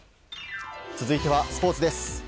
続いてはスポーツです。